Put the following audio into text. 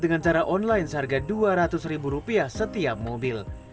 dengan cara online seharga dua ratus ribu rupiah setiap mobil